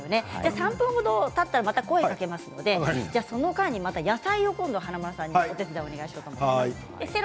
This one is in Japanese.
３分程たったらまた声をかけますのでその間に、華丸さん野菜のお手伝いお願いします。